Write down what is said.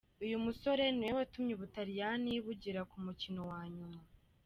Uyu musore niwe watumye ubutaliyani bugera ku mukino wa nyuma.